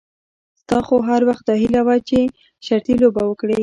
ستا خو هر وخت داهیله وه چې شرطي لوبه وکړې.